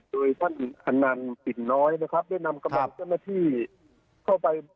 โดยท่านอนันต์ปิ่นน้อยนะครับได้นำกำลังเจ้าหน้าที่เข้าไป